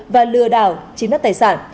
và lừa đảo chiếm đất tài sản